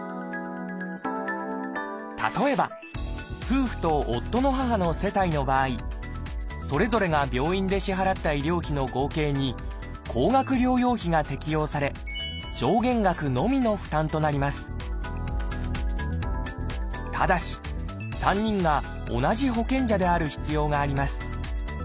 例えば夫婦と夫の母の世帯の場合それぞれが病院で支払った医療費の合計に高額療養費が適用され上限額のみの負担となりますただし３人が同じ保険者である必要があります